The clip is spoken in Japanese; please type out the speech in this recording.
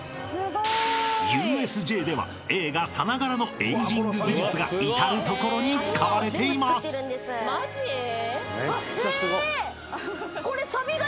［ＵＳＪでは映画さながらのエイジング技術が至る所に使われています］え！これ。